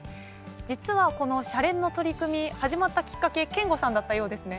実はこの「シャレン！」の取り組み始まったきっかけ憲剛さんだったようですね。